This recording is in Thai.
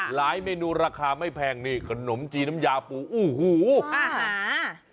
เมนูราคาไม่แพงนี่ขนมจีนน้ำยาปูอู้หูอาหาร